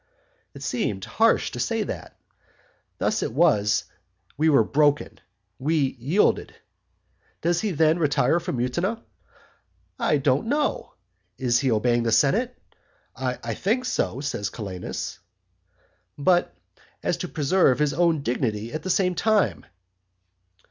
It seemed harsh to say that. Thus it was that we were broken, we yielded. Does he then retire from Mutina? "I don't know." Is he obeying the senate? "I think so" says Calenus, "but so as to preserve his own dignity at the same time."